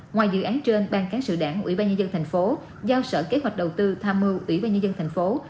ngoài dự án trên ban cáng sử đảng ủy ban nhân dân tp hcm giao sở kế hoạch đầu tư tham mưu ủy ban nhân dân tp hcm